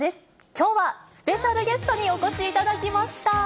きょうはスペシャルゲストにお越しいただきました。